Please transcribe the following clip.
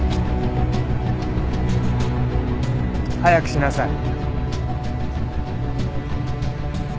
早くしなさい。